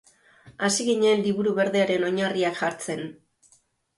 Hasi ginen Liburu Berdearen oinarriak jartzen.